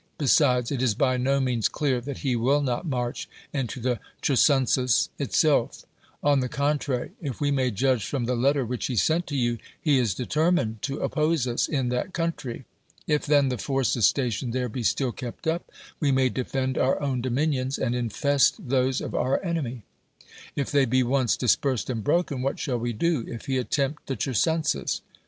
Besides, it is by no means clear that he will not march into the Chersonesus itself On the contrary, if we may judge from the letter which he sent to you, he is determined to op pose us in that country. If then the forces stationed there be still kept up, we may defend our own dominions, and infest those of our enemy; if they be once dispersed and broken, what shall we do if he attempt the Chersonesus